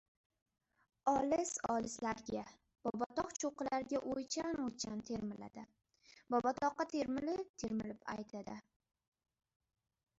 Olis-olislarga— Bobotog‘ cho‘qqilariga o‘ychan-o‘ychan termiladi. Bobotoqqa termulib-termulib aytadi: